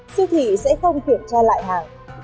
siêu thị sẽ không kiểm tra lại hàng